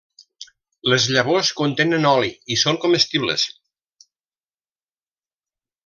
Les llavors contenen oli i són comestibles.